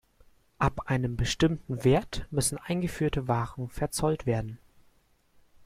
Ab einem bestimmten Wert müssen eingeführte Waren verzollt werden.